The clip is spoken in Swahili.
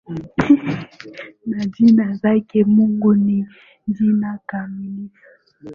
Na njia zake mungu ni njia kamilifu.